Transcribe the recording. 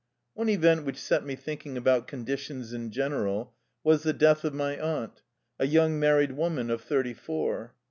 One event which set me thinking about condi tions in general was the death of my aunt, a young married woman of thirty four.